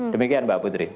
demikian mbak putri